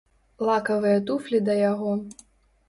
Лакавыя туфлі да яго.